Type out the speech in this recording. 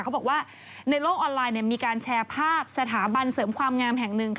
เขาบอกว่าในโลกออนไลน์มีการแชร์ภาพสถาบันเสริมความงามแห่งหนึ่ง